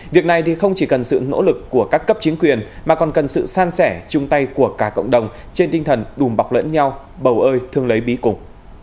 việc này không chỉ cần sự nỗ lực của các cấp chính quyền mà còn cần sự san sẻ chung tay của cả cộng đồng trên tinh thần đùm bọc lẫn nhau bầu ơi thương lấy bí cùng